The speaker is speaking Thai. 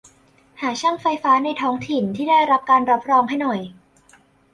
หาช่างไฟฟ้าในท้องถิ่นที่ได้ที่รับการรับรองให้หน่อย